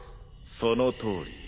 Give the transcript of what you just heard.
そのとおり。